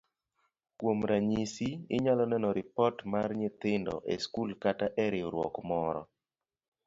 Kuom ranyisi, inyalo neno ripot mar nyithindo e skul kata e riwruok moro.